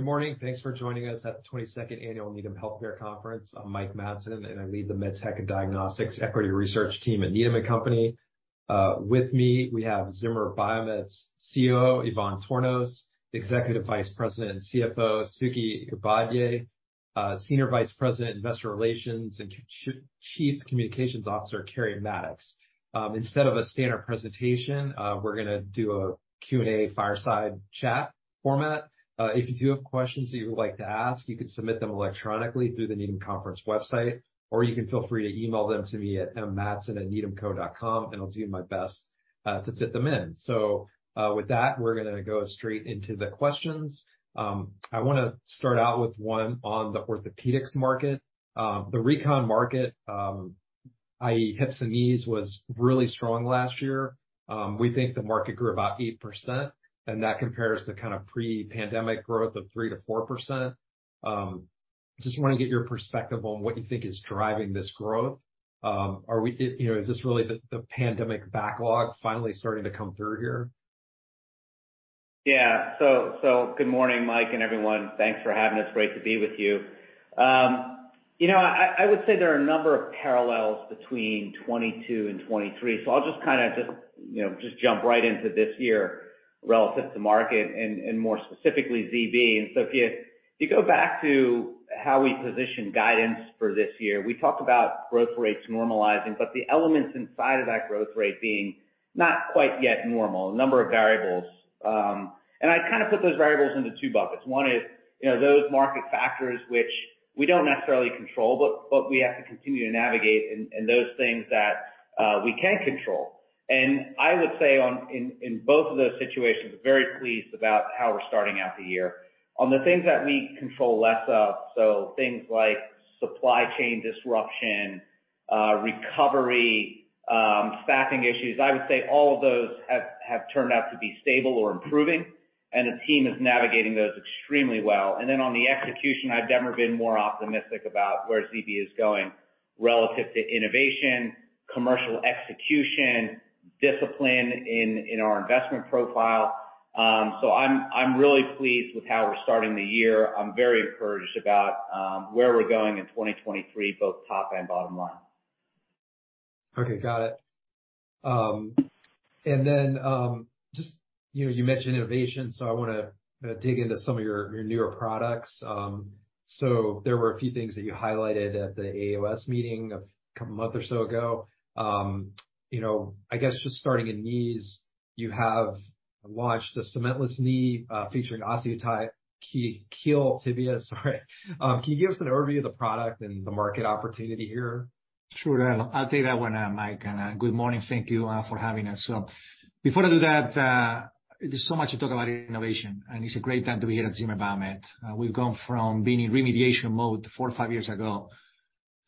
Good morning. Thanks for joining us at the 22nd Annual Needham Healthcare Conference. I'm Mike Matson, I lead the MedTech and Diagnostics Equity Research Team at Needham & Company. With me, we have Zimmer Biomet's CEO, Ivan Tornos, Executive Vice President and CFO, Suky Upadhyay, Senior Vice President, Investor Relations, and Chief Communications Officer, Keri Mattox. Instead of a standard presentation, we're gonna do a Q&A fireside chat format. If you do have questions that you would like to ask, you can submit them electronically through the Needham Conference website, or you can feel free to email them to me at mmatson@needhamco.com, I'll do my best to fit them in. With that, we're gonna go straight into the questions. I wanna start out with one on the orthopedics market. The recon market, i.e., hips and knees, was really strong last year. We think the market grew about 8%, and that compares to kind of pre-pandemic growth of 3%-4%. Just wanna get your perspective on what you think is driving this growth. Are we you know, is this really the pandemic backlog finally starting to come through here? Good morning, Mike and everyone. Thanks for having us. Great to be with you. you know, I would say there are a number of parallels between 2022 and 2023, so I'll just kinda, you know, jump right into this year relative to market and more specifically ZB. If you go back to how we position guidance for this year, we talked about growth rates normalizing, but the elements inside of that growth rate being not quite yet normal, a number of variables. And I kind of put those variables into two buckets. One is, you know, those market factors which we don't necessarily control, but we have to continue to navigate, and those things that we can control. I would say in both of those situations, very pleased about how we're starting out the year. On the things that we control less of, so things like supply chain disruption, recovery, staffing issues, I would say all of those have turned out to be stable or improving, and the team is navigating those extremely well. On the execution, I've never been more optimistic about where ZB is going relative to innovation, commercial execution, discipline in our investment profile. I'm really pleased with how we're starting the year. I'm very encouraged about where we're going in 2023, both top and bottom line. Okay, got it. Just, you know, you mentioned innovation, I want to kind of dig into some of your newer products. There were a few things that you highlighted at the AAOS meeting a couple of months or so ago. You know, I guess just starting in knees, you have launched the cementless knee, featuring OsseoTi Keel Tibia. Sorry. Can you give us an overview of the product and the market opportunity here? Sure. I'll take that one, Mike. Good morning. Thank you for having us. Before I do that, there's so much to talk about innovation, and it's a great time to be here at Zimmer Biomet. We've gone from being in remediation mode four or five years ago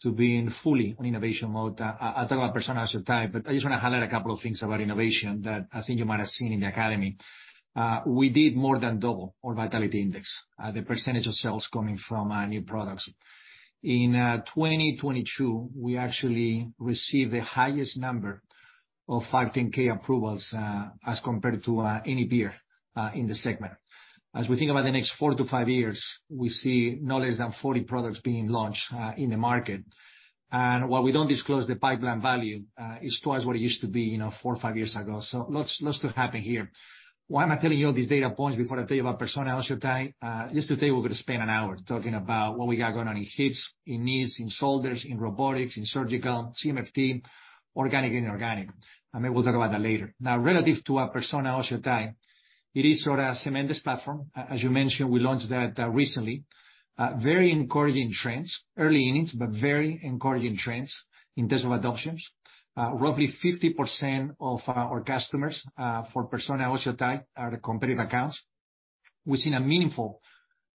to being fully in innovation mode. I'll talk about Persona OsseoTi, but I just wanna highlight a couple of things about innovation that I think you might have seen in the Academy. We did more than double our vitality index, the percentage of sales coming from new products. In 2022, we actually received the highest number of 510 approvals as compared to any peer in the segment. As we think about the next four to five years, we see no less than 40 products being launched in the market. While we don't disclose the pipeline value, it's twice what it used to be, you know, four or five years ago. Lots to happen here. Why am I telling you all these data points before I tell you about Persona OsseoTi? Just today we're gonna spend an hour talking about what we got going on in hips, in knees, in shoulders, in robotics, in surgical, CMFT, organic and inorganic. Maybe we'll talk about that later. Now, relative to our Persona OsseoTi, it is sort of a cementless platform. As you mentioned, we launched that recently. Very encouraging trends. Early innings, but very encouraging trends in terms of adoptions. Roughly 50% of our customers for Persona OsseoTi are the competitive accounts. We've seen a meaningful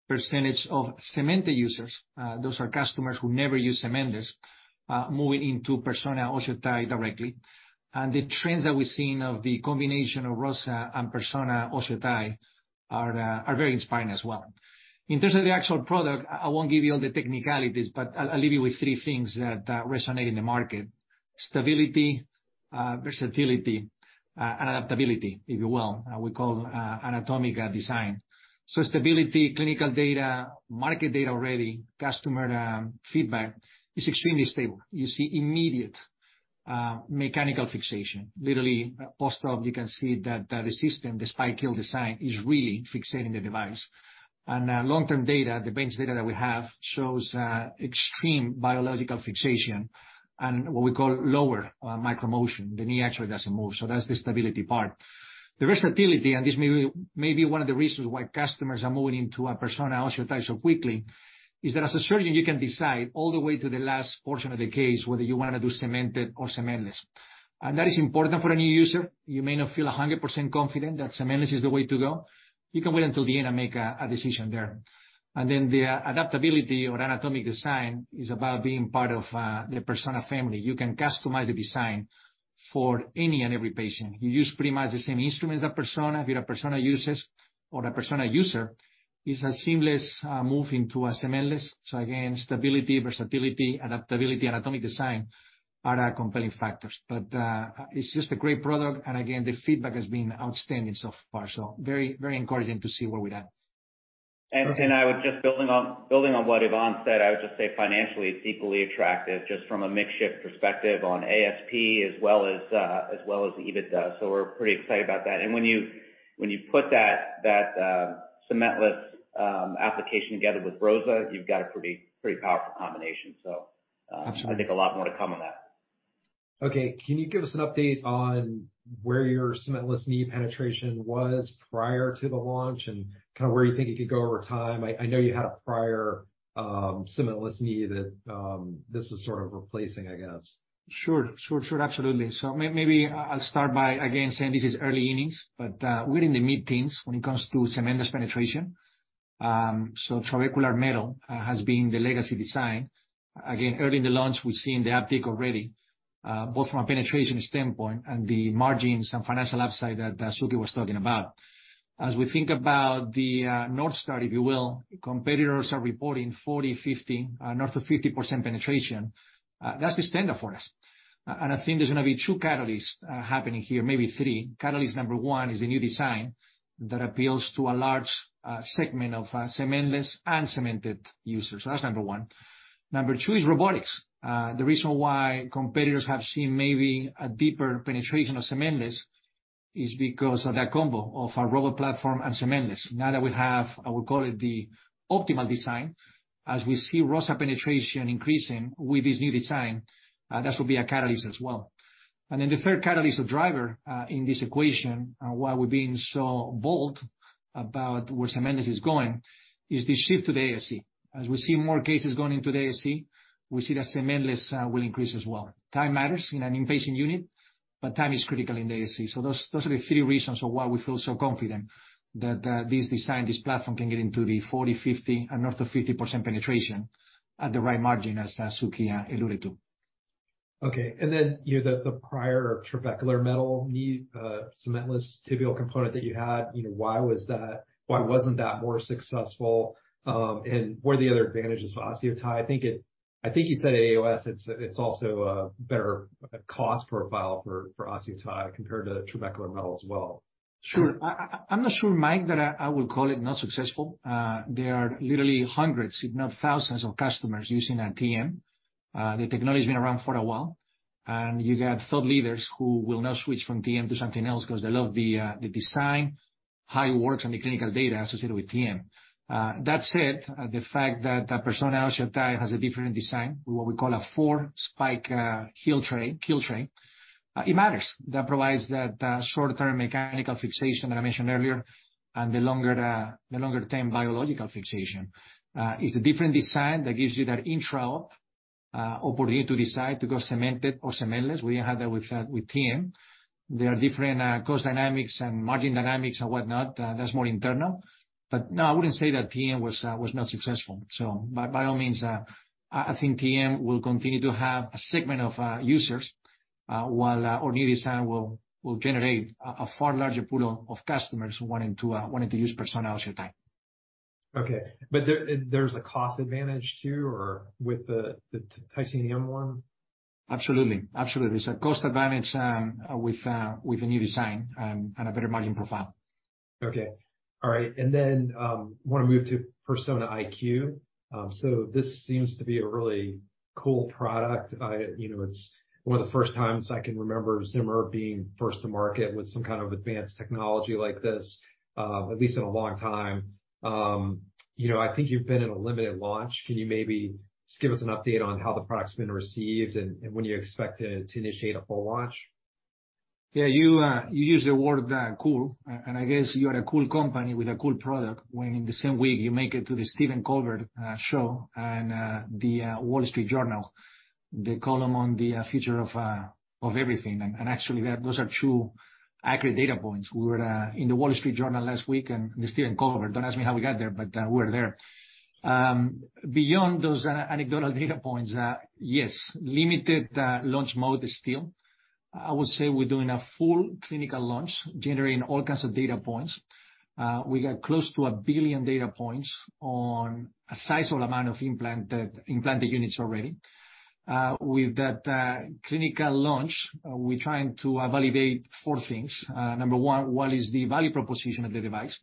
percentage of cemented users, those are customers who never used cementless, moving into Persona OsseoTi directly. The trends that we've seen of the combination of ROSA and Persona OsseoTi are very inspiring as well. In terms of the actual product, I won't give you all the technicalities, but I'll leave you with three things that resonate in the market: stability, versatility, and adaptability, if you will. We call them anatomic design. Stability, clinical data, market data already, customer feedback is extremely stable. You see immediate mechanical fixation. Literally post-op, you can see that the system, the spike keel design, is really fixating the device. Long-term data, the bench data that we have shows extreme biological fixation and what we call lower micromotion. The knee actually doesn't move. That's the stability part. The versatility, and this may be one of the reasons why customers are moving into our Persona OsseoTi so quickly, is that as a surgeon, you can decide all the way to the last portion of the case, whether you wanna do cemented or cementless. That is important for a new user. You may not feel 100% confident that cementless is the way to go. You can wait until the end and make a decision there. Then the adaptability or anatomic design is about being part of the Persona family. You can customize the design for any and every patient. You use pretty much the same instruments as Persona. If you're a Persona user, it's a seamless move into a cementless. Again, stability, versatility, adaptability, anatomic design are our compelling factors. It's just a great product, and again, the feedback has been outstanding so far, so very, very encouraging to see where we're at. I would just building on what Ivan said, I would just say financially, it's equally attractive just from a mix shift perspective on ASP as well as well as EBITDA. We're pretty excited about that. When you put that cementless application together with ROSA, you've got a pretty powerful combination. Absolutely. I think a lot more to come on that. Okay. Can you give us an update on where your cementless knee penetration was prior to the launch and kind of where you think it could go over time? I know you had a prior, cementless knee that, this is sort of replacing, I guess. Sure, sure. Absolutely. Maybe I'll start by again saying this is early innings, but we're in the mid-teens when it comes to cementless penetration. Trabecular Metal has been the legacy design. Again, early in the launch, we've seen the uptick already, both from a penetration standpoint and the margins and financial upside that Suky was talking about. As we think about the North Star, if you will, competitors are reporting 40, 50, north of 50% penetration. That's the standard for us. And I think there's gonna be two catalysts happening here, maybe three. Catalyst number one is the new design that appeals to a large segment of cementless and cemented users. That's number one. Number two is robotics. The reason why competitors have seen maybe a deeper penetration of cementless is because of that combo of a robot platform and cementless. Now that we have, I would call it the optimal design, as we see ROSA penetration increasing with this new design, that will be a catalyst as well. The third catalyst or driver in this equation, why we're being so bold about where cementless is going, is the shift to ASC. As we see more cases going into the ASC, we see that cementless will increase as well. Time matters in an inpatient unit, but time is critical in the ASC. Those are the three reasons for why we feel so confident that this design, this platform, can get into the 40%, 50%, and north of 50% penetration at the right margin, as Suky alluded to. You know, the prior Trabecular Metal knee cementless tibial component that you had, you know, why wasn't that more successful? What are the other advantages for OsseoTi? I think you said at AAOS it's also a better cost profile for OsseoTi compared to Trabecular Metal as well. Sure. I'm not sure, Mike, that I would call it not successful. There are literally hundreds, if not thousands of customers using TM. The technology's been around for a while, and you got thought leaders who will now switch from TM to something else because they love the design, how it works, and the clinical data associated with TM. That said, the fact that Persona OsseoTi has a different design, what we call a four-spike, keel tray, it matters. That provides that short-term mechanical fixation that I mentioned earlier, and the longer-term biological fixation. It's a different design that gives you that intraop, opportunity to decide to go cemented or cementless. We didn't have that with TM. There are different cost dynamics and margin dynamics and whatnot. That's more internal. No, I wouldn't say that TM was not successful. By all means, I think TM will continue to have a segment of users, while our new design will generate a far larger pool of customers wanting to use Persona OsseoTi. Okay. There's a cost advantage too or with the titanium one? Absolutely. Absolutely. It's a cost advantage, with the new design, and a better margin profile. Okay. All right. Wanna move to Persona IQ. This seems to be a really cool product. I, you know, it's one of the first times I can remember Zimmer being first to market with some kind of advanced technology like this, at least in a long time. You know, I think you've been in a limited launch. Can you maybe just give us an update on how the product's been received and when you expect to initiate a full launch? Yeah. You used the word cool, and I guess you are a cool company with a cool product when in the same week you make it to the Stephen Colbert show and the Wall Street Journal, the column on the future of everything. Actually, that, those are two accurate data points. We were in the Wall Street Journal last week and the Stephen Colbert. Don't ask me how we got there, but we were there. Beyond those anecdotal data points, yes, limited launch mode still. I would say we're doing a full clinical launch, generating all kinds of data points. We got close to a billion data points on a sizable amount of implanted units already. With that clinical launch, we're trying to validate four things. Number one, what is the value proposition of the device?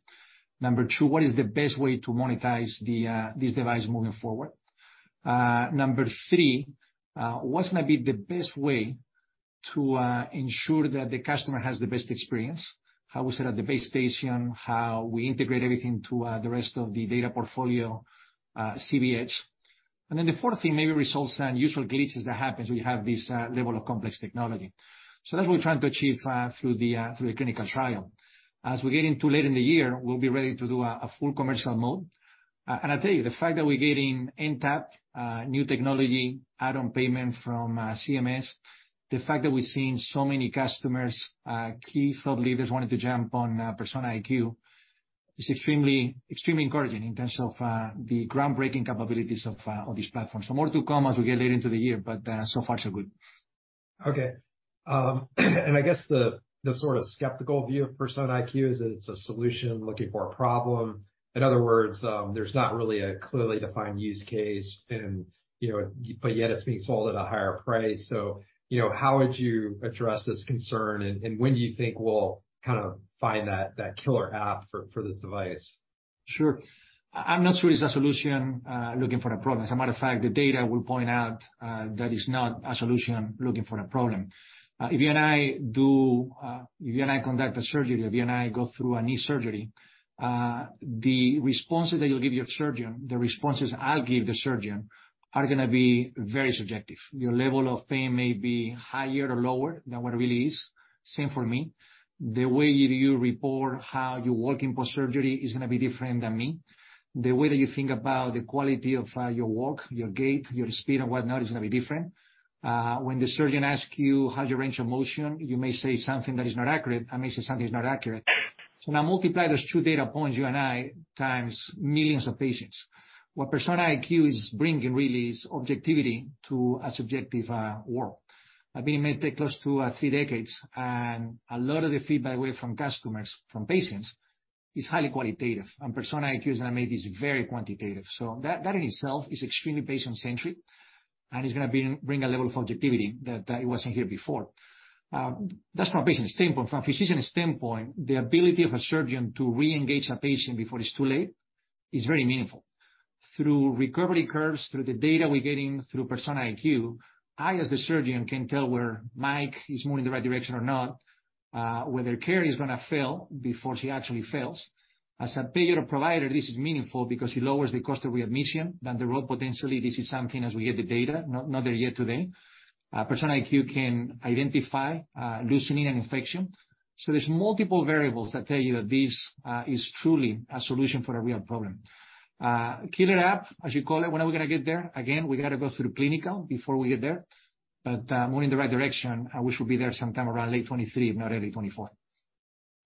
Number two, what is the best way to monetize the this device moving forward? Number three, what's gonna be the best way to ensure that the customer has the best experience? How we set up the base station, how we integrate everything to the rest of the data portfolio, ZBEdge. The fourth thing, maybe results and usual glitches that happens, we have this level of complex technology. That's what we're trying to achieve through the clinical trial. As we get into later in the year, we'll be ready to do a full commercial mode. I'll tell you, the fact that we're getting NTAP, new technology add-on payment from CMS, the fact that we've seen so many customers, key thought leaders wanting to jump on Persona IQ, is extremely encouraging in terms of the groundbreaking capabilities of this platform. More to come as we get later into the year, but so far so good. Okay. I guess the sort of skeptical view of Persona IQ is that it's a solution looking for a problem. In other words, there's not really a clearly defined use case and, you know, but yet it's being sold at a higher price. You know, how would you address this concern, and when do you think we'll kinda find that killer app for this device? Sure. I'm not sure it's a solution looking for a problem. As a matter of fact, the data will point out that is not a solution looking for a problem. If you and I do, if you and I conduct a surgery or if you and I go through a knee surgery, the responses that you'll give your surgeon, the responses I'll give the surgeon are gonna be very subjective. Your level of pain may be higher or lower than what it really is. Same for me. The way you report how you walk in post-surgery is gonna be different than me. The way that you think about the quality of your walk, your gait, your speed, and whatnot is gonna be different. When the surgeon asks you how's your range of motion, you may say something that is not accurate, I may say something that's not accurate. Now multiply those two data points, you and I, times millions of patients. What Persona IQ is bringing really is objectivity to a subjective world. I mean, it may take close to three decades, and a lot of the feedback we hear from customers, from patients, is highly qualitative. Persona IQ is gonna make this very quantitative. That, that in itself is extremely patient-centric, and it's gonna bring a level of objectivity that wasn't here before. That's from a patient standpoint. From a physician standpoint, the ability of a surgeon to re-engage a patient before it's too late is very meaningful. Through recovery curves, through the data we're getting through Persona IQ, I, as the surgeon, can tell whether Mike is moving in the right direction or not, whether Carrie is gonna fail before she actually fails. As a payer or provider, this is meaningful because it lowers the cost of readmission. Down the road, potentially, this is something as we get the data, not there yet today. Persona IQ can identify loosening an infection. There's multiple variables that tell you that this is truly a solution for a real problem. killer app, as you call it, when are we gonna get there? Again, we gotta go through clinical before we get there. Moving in the right direction, we should be there sometime around late 2023, if not early 2024.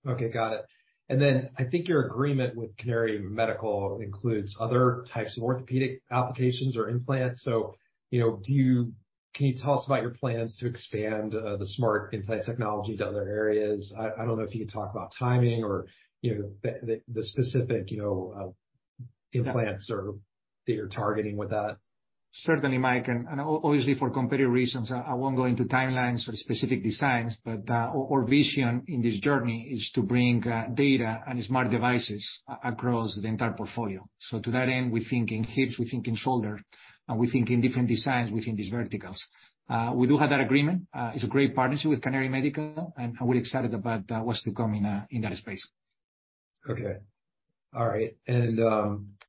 Okay, got it. I think your agreement with Canary Medical includes other types of orthopedic applications or implants. You know, can you tell us about your plans to expand the smart implant technology to other areas? I don't know if you can talk about timing or, you know, the specific, you know, implants or- Yeah. that you're targeting with that. Certainly, Mike. Obviously for competitive reasons, I won't go into timelines or specific designs, but our vision in this journey is to bring data and smart devices across the entire portfolio. To that end, we think in hips, we think in shoulder, and we think in different designs within these verticals. We do have that agreement. It's a great partnership with Canary Medical, and we're excited about what's to come in that space. Okay. All right.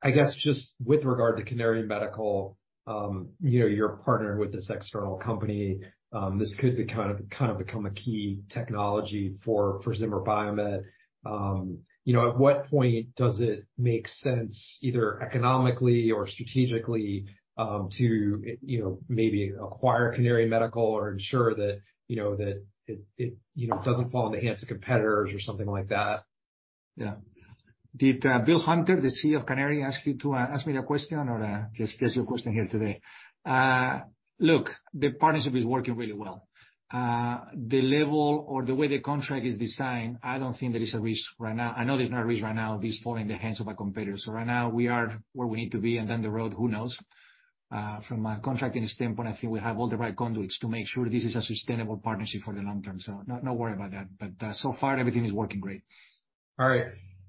I guess just with regard to Canary Medical, you know, you're partnering with this external company, this could be kind of become a key technology for Zimmer Biomet. You know, at what point does it make sense, either economically or strategically, to, you know, maybe acquire Canary Medical or ensure that, you know, that it, you know, doesn't fall in the hands of competitors or something like that? Yeah. Did Bill Hunter, the CEO of Canary, ask you to ask me that question or just that's your question here today? Look, the partnership is working really well. The level or the way the contract is designed, I don't think there is a risk right now. I know there's no risk right now of this falling in the hands of a competitor. Right now we are where we need to be, and down the road, who knows? From a contracting standpoint, I think we have all the right conduits to make sure this is a sustainable partnership for the long term, so no worry about that. So far everything is working great. All right.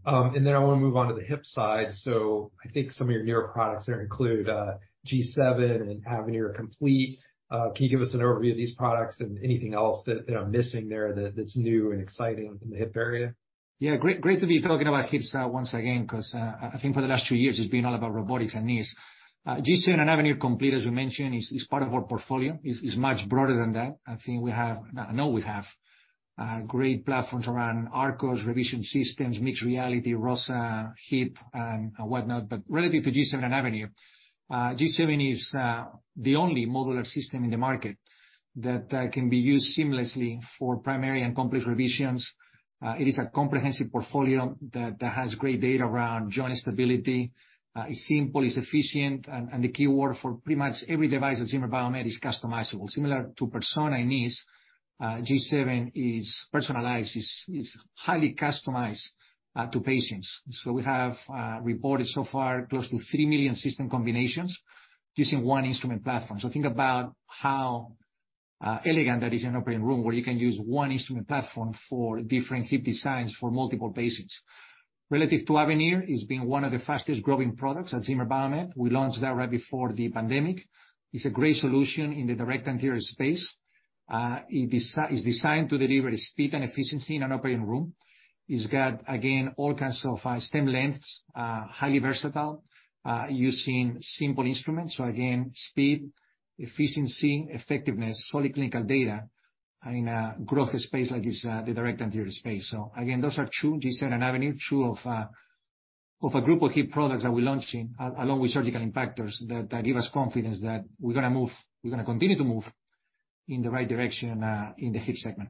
I wanna move on to the hip side. I think some of your newer products there include G7 and Avenir Complete. Can you give us an overview of these products and anything else that I'm missing there that's new and exciting in the hip area? Yeah. Great to be talking about hips once again, 'cause I think for the last two years it's been all about robotics and knees. G7 and Avenir Complete, as we mentioned, is part of our portfolio. It's much broader than that. I know we have great platforms around Arcos revision systems, mixed reality, ROSA Hip, and whatnot. Relative to G7 and Avenir, G7 is the only modular system in the market that can be used seamlessly for primary and complex revisions. It is a comprehensive portfolio that has great data around joint stability. It's simple, efficient, and the keyword for pretty much every device at Zimmer Biomet is customizable. Similar to Persona in knees, G7 is personalized. It's highly customized to patients. We have reported so far close to three million system combinations using one instrument platform. Think about how elegant that is in operating room, where you can use one instrument platform for different hip designs for multiple patients. Relative to Avenir, it's been one of the fastest-growing products at Zimmer Biomet. We launched that right before the pandemic. It's a great solution in the direct anterior space. It's designed to deliver speed and efficiency in an operating room. It's got, again, all kinds of stem lengths, highly versatile, using simple instruments. Again, speed, efficiency, effectiveness, solid clinical data in a growth space like is the direct anterior space. Again, those are two, G7 and Avenir, two of a group of hip products that we're launching along with surgical impactors that give us confidence that we're gonna continue to move in the right direction in the hip segment.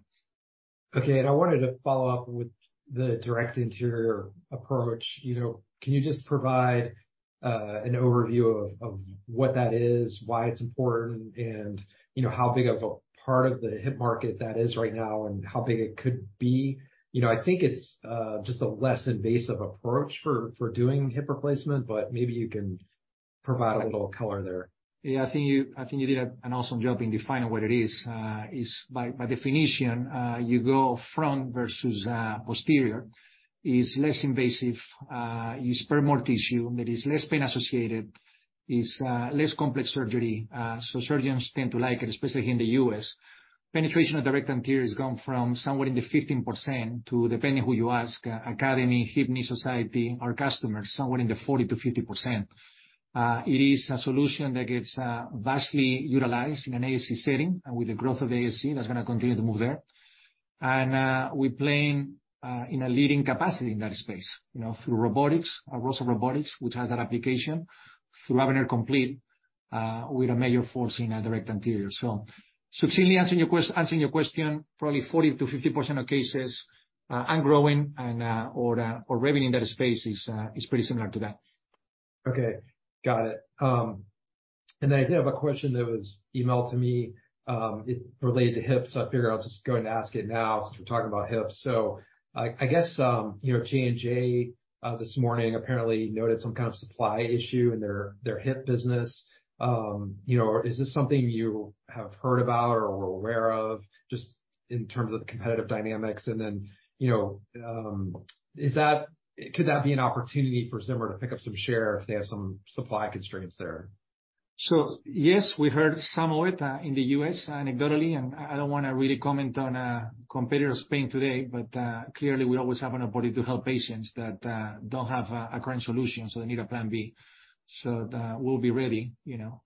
Okay. I wanted to follow up with the direct anterior approach. You know, can you just provide an overview of what that is, why it's important and, you know, how big of a part of the hip market that is right now and how big it could be? You know, I think it's just a less invasive approach for doing hip replacement, maybe provide a little color there. Yeah, I think you did an awesome job in defining what it is. Is by definition, you go front versus posterior. Is less invasive. You spare more tissue. There is less pain associated. Is less complex surgery, so surgeons tend to like it, especially here in the U.S. Penetration of direct anterior has gone from somewhere in the 15% to, depending on who you ask, Academy, Hip Society, our customers, somewhere in the 40%-50%. It is a solution that gets vastly utilized in an ASC setting, and with the growth of ASC, that's gonna continue to move there. We're playing in a leading capacity in that space, you know, through robotics, our ROSA robotics, which has that application, through Avenir Complete, we're a major force in direct anterior. Tim, answering your question, probably 40%-50% of cases, and growing, or the revenue in that space is pretty similar to that. Okay. Got it. I did have a question that was emailed to me, it related to hips, I figure I'll just go and ask it now since we're talking about hips. I guess, you know, J&J this morning apparently noted some kind of supply issue in their hip business. You know, is this something you have heard about or are aware of just in terms of the competitive dynamics? You know, could that be an opportunity for Zimmer to pick up some share if they have some supply constraints there? Yes, we heard some of it in the U.S. anecdotally, and I don't wanna really comment on a competitor's pain today, but clearly we always have an ability to help patients that don't have a current solution, so they need a plan B. We'll be ready, you know.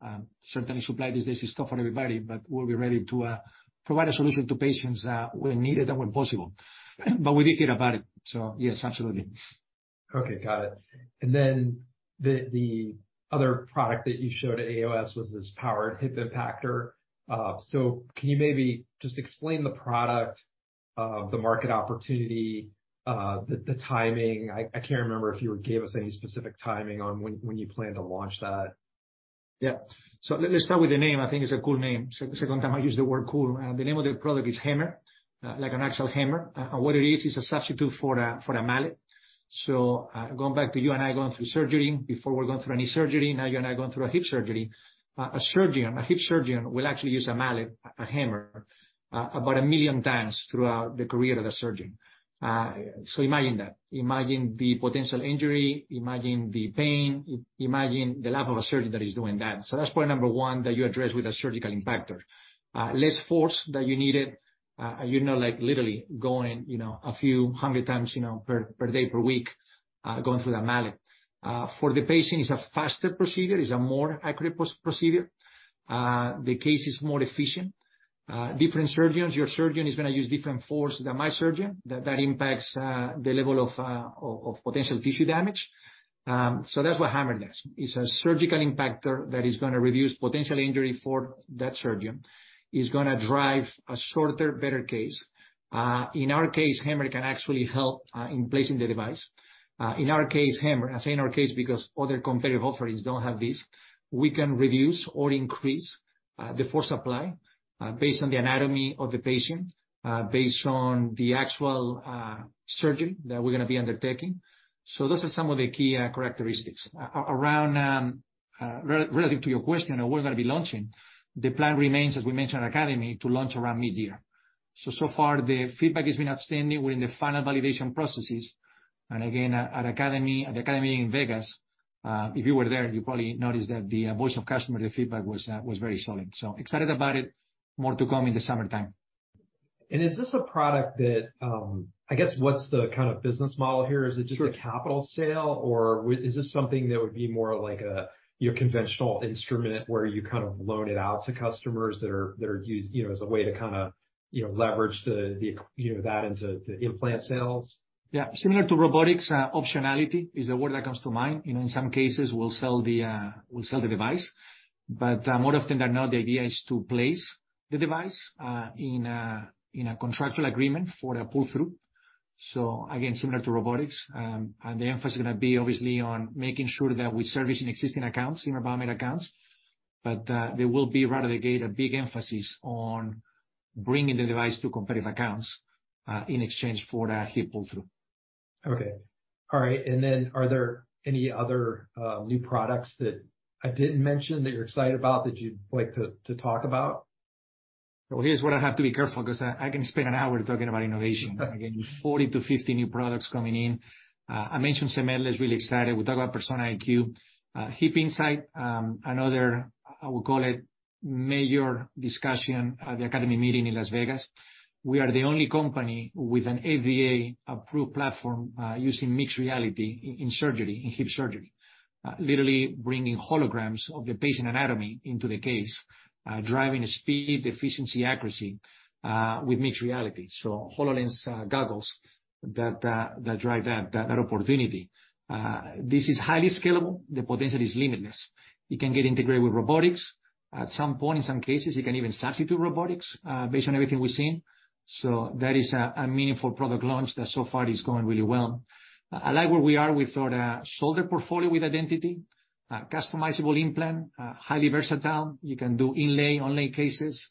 Certainly supply these days is tough on everybody, but we'll be ready to provide a solution to patients when needed and when possible. We did hear about it, so yes, absolutely. Okay, got it. Then the other product that you showed at AAOS was this powered hip impactor. Can you maybe just explain the product, the market opportunity, the timing? I can't remember if you gave us any specific timing on when you plan to launch that. Yeah. Let's start with the name. I think it's a cool name. Second time I use the word cool. The name of the product is HAMMR, like an actual hammer. What it is, it's a substitute for a mallet. Going back to you and I going through a hip surgery, a hip surgeon will actually use a mallet, a hammer, about 1 million times throughout the career of the surgeon. Imagine that. Imagine the potential injury, imagine the pain, imagine the life of a surgeon that is doing that. That's point number one that you address with a surgical impactor. Less force that you needed., you know, like literally going, you know, a few hundred times, you know, per day, per week, going through a mallet. For the patient, it's a faster procedure. It's a more accurate procedure. The case is more efficient. Different surgeons, your surgeon is gonna use different force than my surgeon. That impacts the level of potential tissue damage. That's what HAMMR does. It's a surgical impactor that is gonna reduce potential injury for that surgeon. It's gonna drive a shorter, better case. In our case, HAMMR can actually help in placing the device. In our case, HAMMR, I say in our case, because other competitive offerings don't have this, we can reduce or increase the force apply based on the anatomy of the patient, based on the actual surgery that we're gonna be undertaking. Those are some of the key characteristics. Around relative to your question on when we're gonna be launching, the plan remains, as we mentioned at Academy, to launch around mid-year. So far the feedback has been outstanding. We're in the final validation processes. Again, at Academy in Vegas, if you were there, you probably noticed that the voice of customer, the feedback was very solid. Excited about it. More to come in the summertime. Is this a product that, I guess, what's the kind of business model here? Sure. Is it just a capital sale, or is this something that would be more like a, your conventional instrument where you kind of loan it out to customers that are use, you know, as a way to kinda, you know, leverage the, you know, that into the implant sales? Yeah. Similar to robotics, optionality is the word that comes to mind. You know, in some cases we'll sell the, we'll sell the device. More often than not, the idea is to place the device in a contractual agreement for a pull-through. Again, similar to robotics. The emphasis is gonna be obviously on making sure that we service in existing accounts, in our Biomet accounts. There will be, out of the gate, a big emphasis on bringing the device to competitive accounts in exchange for that hip pull-through. Okay. All right. Are there any other new products that I didn't mention that you're excited about that you'd like to talk about? Well, here's what I have to be careful, because I can spend an hour talking about innovation. Again, 40 to 50 new products coming in. I mentioned cementless is really excited. We talked about Persona IQ. Hip Insight, another, I would call it major discussion at the Academy meeting in Las Vegas. We are the only company with an FDA-approved platform, using mixed reality in surgery, in hip surgery. Literally bringing holograms of the patient anatomy into the case, driving speed, efficiency, accuracy, with mixed reality. HoloLens goggles that drive that opportunity. This is highly scalable. The potential is limitless. It can get integrated with robotics. At some point, in some cases, it can even substitute robotics, based on everything we've seen. That is a meaningful product launch that so far is going really well. I like where we are with our shoulder portfolio with Identity, customizable implant, highly versatile. You can do inlay, onlay cases.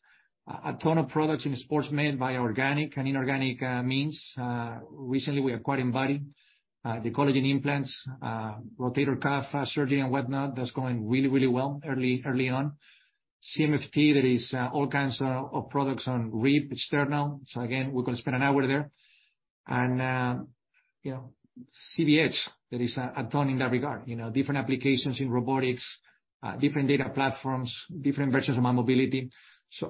A ton of products in sports med by organic and inorganic means. Recently we acquired Embody. The collagen implants, rotator cuff surgery and whatnot, that's going really, really well early on. CMFT, that is, all kinds of products on rib, sternum. Again, we're gonna spend an hour there. You know, ZBEdge, there is a ton in that regard, you know. Different applications in robotics, different data platforms, different versions of mobility.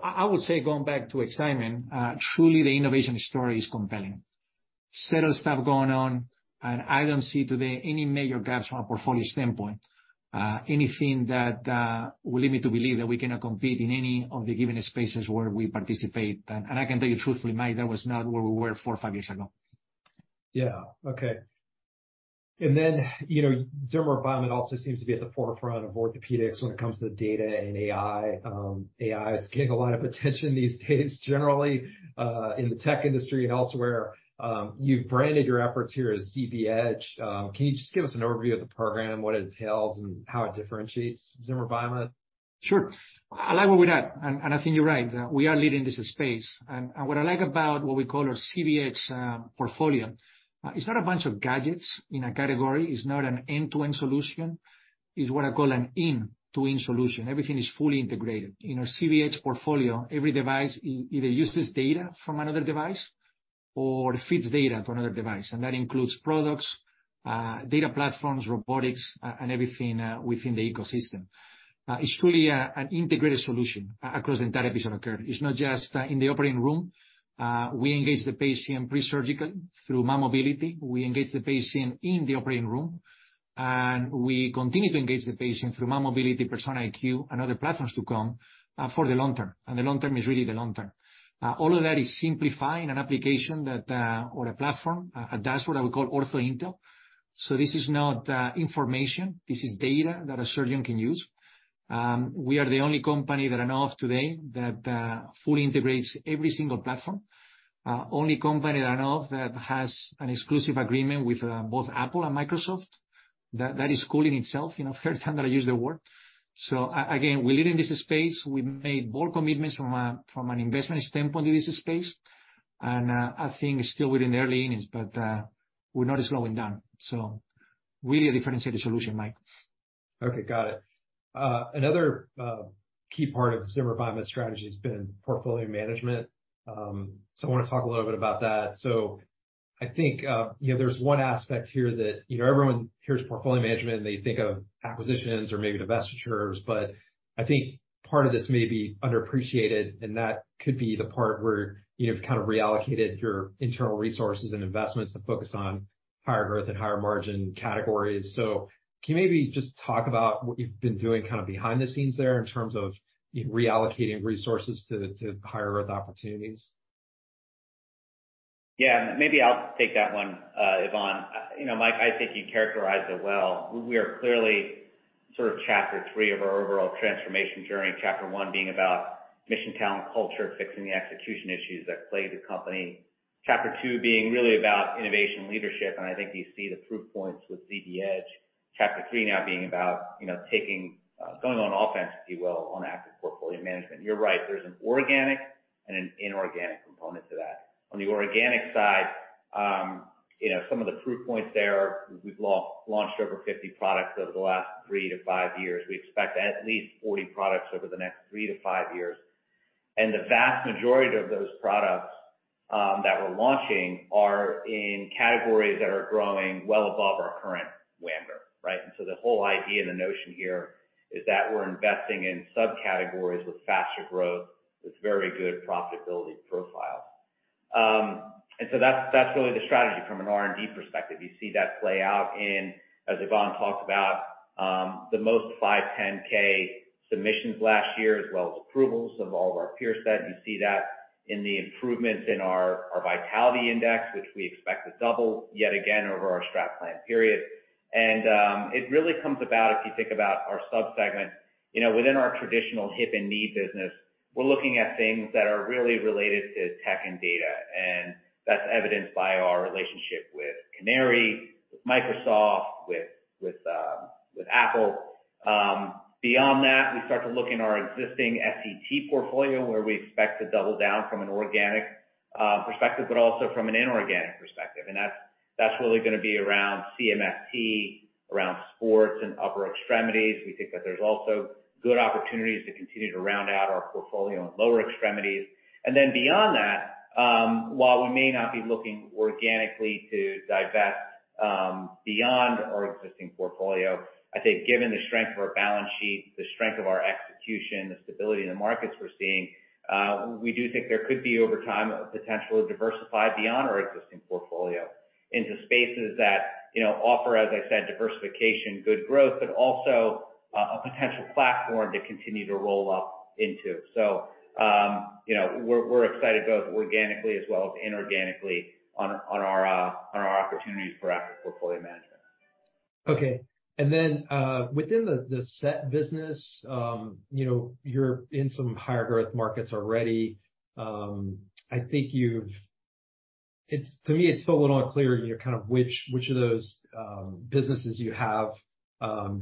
I would say going back to excitement, truly the innovation story is compelling. Settle stuff going on, and I don't see today any major gaps from a portfolio standpoint. anything that would lead me to believe that we cannot compete in any of the given spaces where we participate. I can tell you truthfully, Mike, that was not where we were four, five years ago. Yeah. Okay. Then, you know, Zimmer Biomet also seems to be at the forefront of orthopedics when it comes to data and AI. AI is getting a lot of attention these days, generally, in the tech industry and elsewhere. You've branded your efforts here as ZBEdge. Can you just give us an overview of the program, what it entails, and how it differentiates Zimmer Biomet? Sure. I like where we're at, and I think you're right. We are leading this space. What I like about what we call our ZBEdge portfolio, it's not a bunch of gadgets in a category. It's not an end-to-end solution. It's what I call an in-to-end solution. Everything is fully integrated. In our ZBEdge portfolio, every device either uses data from another device or feeds data to another device, and that includes products, data platforms, robotics, and everything within the ecosystem. It's truly an integrated solution across the entire patient occur. It's not just in the operating room. We engage the patient pre-surgical through mymobility. We engage the patient in the operating room, and we continue to engage the patient through mymobility, Persona IQ, and other platforms to come for the long term, and the long term is really the long term. All of that is simplified in an application that or a platform, a dashboard I would call OrthoIntel. This is not information, this is data that a surgeon can use. We are the only company that I know of today that fully integrates every single platform. Only company I know of that has an exclusive agreement with both Apple and Microsoft. That is cool in itself, you know, third time that I use the word. Again, we lead in this space. We've made bold commitments from an investment standpoint in this space. I think it's still within the early innings, but we're not slowing down. Really a differentiated solution, Mike. Okay, got it. Another key part of Zimmer Biomet strategy has been portfolio management. I wanna talk a little bit about that. I think, you know, there's one aspect here that, you know, everyone hears portfolio management, and they think of acquisitions or maybe divestitures, but I think part of this may be underappreciated, and that could be the part where you've kind of reallocated your internal resources and investments to focus on higher growth and higher margin categories. Can you maybe just talk about what you've been doing kind of behind the scenes there in terms of reallocating resources to higher growth opportunities? Yeah. Maybe I'll take that one, Ivan. You know, Mike, I think you characterized it well. We are clearly sort of chapter three of our overall transformation journey. Chapter one being about mission, talent, culture, fixing the execution issues that plagued the company. Chapter two being really about innovation leadership, and I think you see the proof points with ZBEdge. Chapter three now being about, you know, going on offense, if you will, on active portfolio management. You're right, there's an organic and an inorganic component to that. On the organic side, you know, some of the proof points there, we've launched over 50 products over the last three to five years. We expect at least 40 products over the next three to five years. The vast majority of those products that we're launching are in categories that are growing well above our current WAMGR, right? The whole idea and the notion here is that we're investing in subcategories with faster growth, with very good profitability profiles. That's, that's really the strategy from an R&D perspective. You see that play out in, as Ivan talked about, the most 510(k) submissions last year, as well as approvals of all of our peer set. You see that in the improvements in our vitality index, which we expect to double yet again over our strat plan period. It really comes about if you think about our sub-segment. You know, within our traditional hip and knee business, we're looking at things that are really related to tech and data, and that's evidenced by our relationship with Canary, with Microsoft, with Apple. Beyond that, we start to look in our existing SET portfolio, where we expect to double down from an organic perspective, but also from an inorganic perspective. That's really gonna be around CMFT, around sports and upper extremities. We think that there's also good opportunities to continue to round out our portfolio in lower extremities. Beyond that, while we may not be looking organically to divest, beyond our existing portfolio, I think given the strength of our balance sheet, the strength of our execution, the stability in the markets we're seeing, we do think there could be over time a potential to diversify beyond our existing portfolio into spaces that, you know, offer, as I said, diversification, good growth, but also a potential platform to continue to roll up into. You know, we're excited both organically as well as inorganically on our opportunities for active portfolio management. Okay. Then, within the SET business, you know, you're in some higher growth markets already. I think you've... It's, for me, it's still a little unclear, you know, kind of which of those businesses you have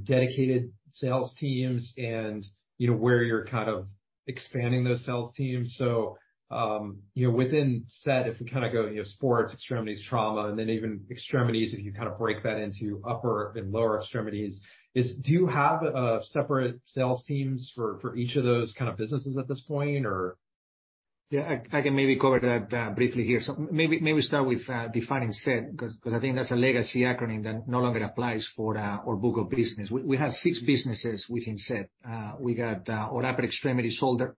dedicated sales teams and, you know, where you're kind of expanding those sales teams. You know, within SET, if we kind of go, you know, sports, extremities, trauma, and then even extremities, if you kind of break that into upper and lower extremities, is do you have separate sales teams for each of those kind of businesses at this point or? Yeah, I can maybe cover that briefly here. Maybe start with defining SET because I think that's a legacy acronym that no longer applies for our book of business. We have six businesses within SET. We got our upper extremity shoulder,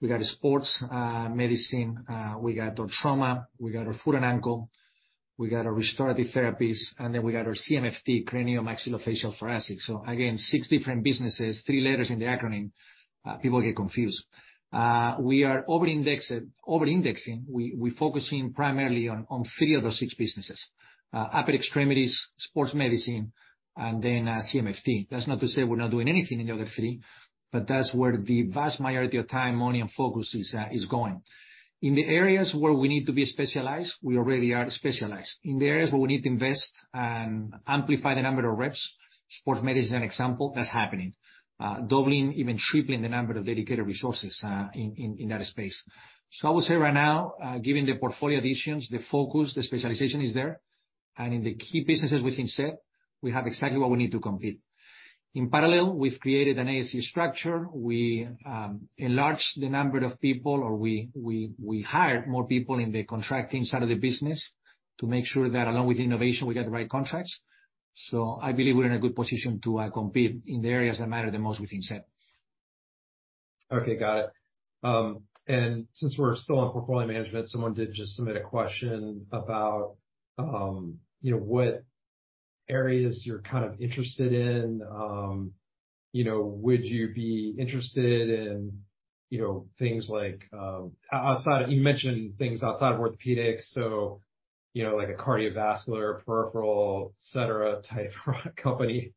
we got a sports medicine, we got our trauma, we got our foot and ankle, we got our restorative therapies, and then we got our CMFT, craniomaxillofacial thoracic. Again, six different businesses, three letters in the acronym. People get confused. We are overindexing. We're focusing primarily on three of those six businesses. Upper extremities, sports medicine, and then CMFT. That's not to say we're not doing anything in the other three, but that's where the vast majority of time, money, and focus is going. In the areas where we need to be specialized, we already are specialized. In the areas where we need to invest and amplify the number of reps, sports medicine example, that's happening. Doubling, even tripling the number of dedicated resources in that space. I would say right now, given the portfolio additions, the focus, the specialization is there. In the key businesses within SET, we have exactly what we need to compete. In parallel, we've created an ASC structure. We enlarged the number of people, or we hired more people in the contracting side of the business to make sure that along with innovation, we get the right contracts. I believe we're in a good position to compete in the areas that matter the most within SET. Okay, got it. Since we're still on portfolio management, someone did just submit a question about, you know, what areas you're kind of interested in. You know, would you be interested in, you know, things like, outside of... You mentioned things outside of orthopedics, so, you know, like a cardiovascular, peripheral, et cetera, type company.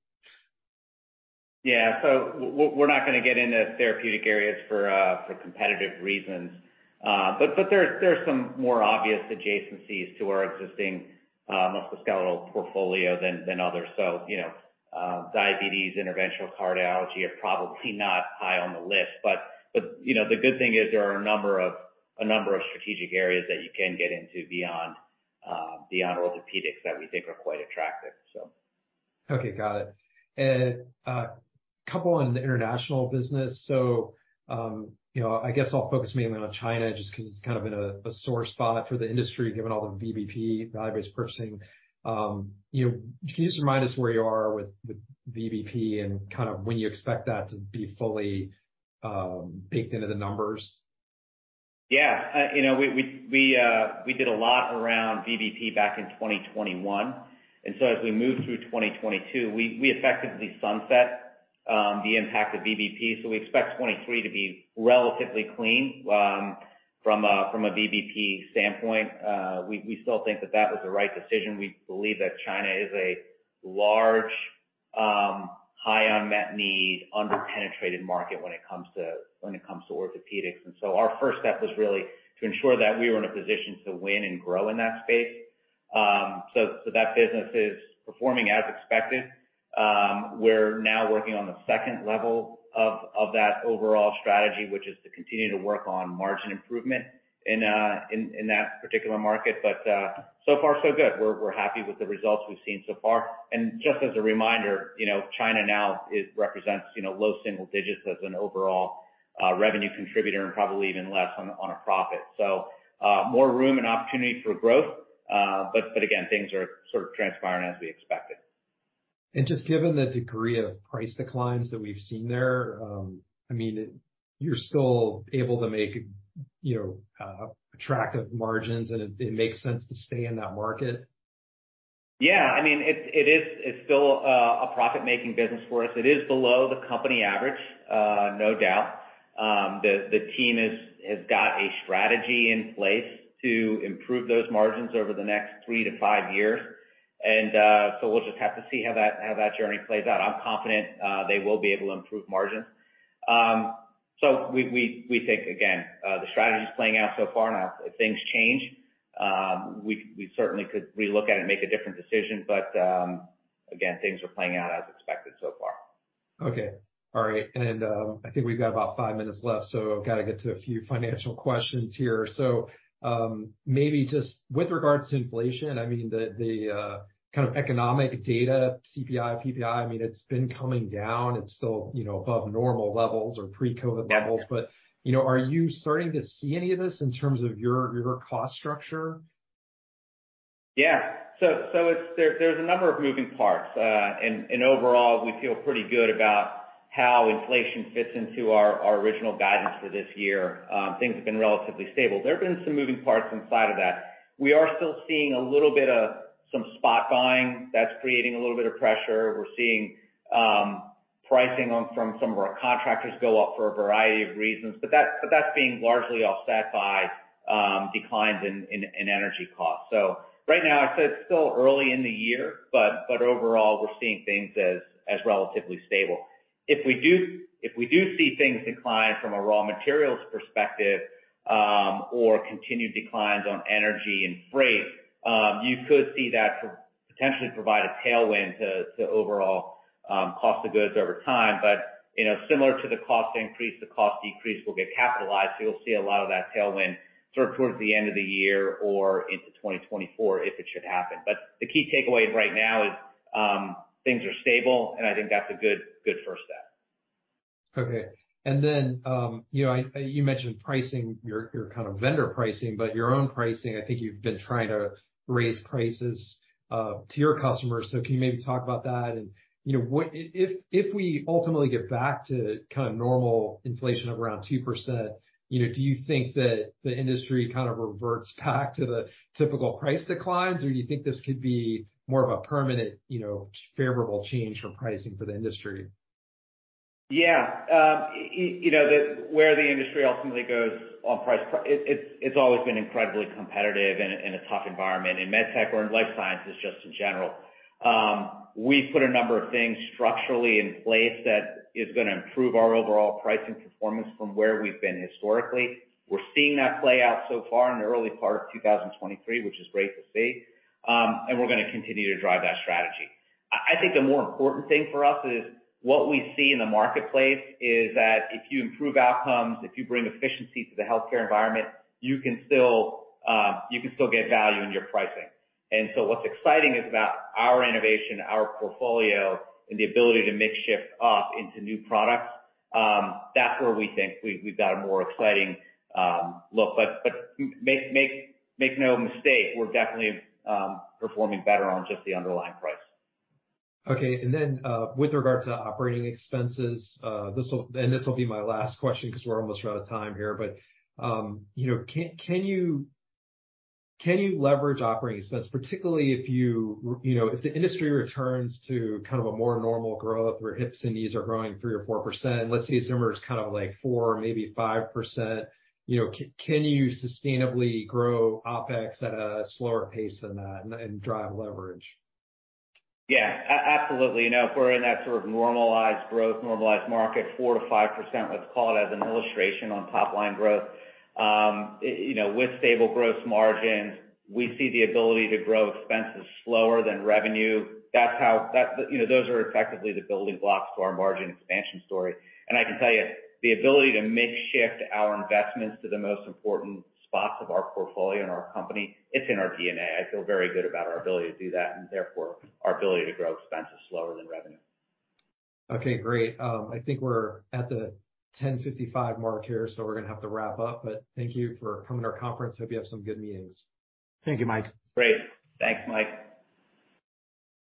Yeah. We're not gonna get into therapeutic areas for competitive reasons. There's some more obvious adjacencies to our existing musculoskeletal portfolio than others. You know, diabetes, interventional cardiology are probably not high on the list. You know, the good thing is there are a number of strategic areas that you can get into beyond orthopedics that we think are quite attractive, so. Okay, got it. Couple on the international business. You know, I guess I'll focus mainly on China just 'cause it's kind of been a sore spot for the industry given all the VBP, value-based purchasing. You know, can you just remind us where you are with VBP and kind of when you expect that to be fully baked into the numbers? Yeah. you know, we did a lot around VBP back in 2021. As we moved through 2022, we effectively sunset the impact of VBP. We expect 2023 to be relatively clean from a VBP standpoint. we still think that that was the right decision. We believe that China is a large, high unmet need, under-penetrated market when it comes to orthopedics. Our first step was really to ensure that we were in a position to win and grow in that space. so that business is performing as expected. we're now working on the second level of that overall strategy, which is to continue to work on margin improvement in that particular market. So far so good. We're happy with the results we've seen so far. Just as a reminder, you know, China now represents, you know, low single digits as an overall revenue contributor and probably even less on a profit. More room and opportunity for growth. But again, things are sort of transpiring as we expected. Just given the degree of price declines that we've seen there, I mean, you're still able to make, you know, attractive margins and it makes sense to stay in that market? Yeah. I mean, it is, it's still a profit-making business for us. It is below the company average, no doubt. The team has got a strategy in place to improve those margins over the next three to five years. We'll just have to see how that journey plays out. I'm confident they will be able to improve margins. We think, again, the strategy's playing out so far. Now if things change, we certainly could relook at it and make a different decision. Again, things are playing out as expected so far. Okay. All right. I think we've got about five minutes left, so I've gotta get to a few financial questions here. Maybe just with regards to inflation, I mean, the, kind of economic data, CPI, PPI, I mean, it's been coming down. It's still, you know, above normal levels or pre-COVID levels. Yeah. You know, are you starting to see any of this in terms of your cost structure? Yeah. There's a number of moving parts. Overall, we feel pretty good about how inflation fits into our original guidance for this year. Things have been relatively stable. There have been some moving parts inside of that. We are still seeing a little bit of some spot buying that's creating a little bit of pressure. We're seeing pricing on from some of our contractors go up for a variety of reasons. That's being largely offset by declines in energy costs. Right now, I'd say it's still early in the year, overall, we're seeing things as relatively stable. If we do see things decline from a raw materials perspective, or continued declines on energy and freight, you could see that Potentially provide a tailwind to overall cost of goods over time. You know, similar to the cost increase, the cost decrease will get capitalized, so you'll see a lot of that tailwind sort of towards the end of the year or into 2024, if it should happen. The key takeaway right now is, things are stable, and I think that's a good first step. Okay. Then, you know, you mentioned pricing, your kind of vendor pricing, but your own pricing, I think you've been trying to raise prices to your customers. Can you maybe talk about that and, you know, what if we ultimately get back to kind of normal inflation of around 2%, you know, do you think that the industry kind of reverts back to the typical price declines? You think this could be more of a permanent, you know, favorable change for pricing for the industry? Yeah. You know, where the industry ultimately goes on price, it's always been incredibly competitive in a tough environment in MedTech or in life sciences just in general. We've put a number of things structurally in place that is gonna improve our overall pricing performance from where we've been historically. We're seeing that play out so far in the early part of 2023, which is great to see. We're gonna continue to drive that strategy. I think the more important thing for us is what we see in the marketplace is that if you improve outcomes, if you bring efficiency to the healthcare environment, you can still, you can still get value in your pricing. What's exciting is about our innovation, our portfolio, and the ability to mix shift up into new products, that's where we think we've got a more exciting look. Make no mistake, we're definitely performing better on just the underlying price. Okay. With regard to operating expenses, this will be my last question because we're almost out of time here. You know, can you leverage operating expense, particularly if you know, if the industry returns to kind of a more normal growth where hips and knees are growing 3% or 4%, let's say Zimmer is kind of like 4%, maybe 5%, and sustainably grow OpEx at a slower pace than that and drive leverage? Yeah. Absolutely. You know, if we're in that sort of normalized growth, normalized market, 4%-5%, let's call it as an illustration on top line growth. You know, with stable gross margins, we see the ability to grow expenses slower than revenue. You know, those are effectively the building blocks to our margin expansion story. I can tell you, the ability to mix shift our investments to the most important spots of our portfolio and our company, it's in our DNA. I feel very good about our ability to do that, and therefore our ability to grow expenses slower than revenue. Okay, great. I think we're at the 10:55 mark here, so we're gonna have to wrap up. Thank you for coming to our conference. Hope you have some good meetings. Thank you, Mike. Great. Thanks, Mike.